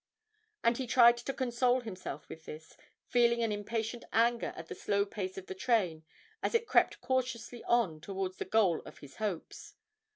And he tried to console himself with this, feeling an impatient anger at the slow pace of the train as it crept cautiously on towards the goal of his hopes.